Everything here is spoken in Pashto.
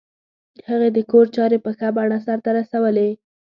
هغې د کور چارې په ښه بڼه سرته رسولې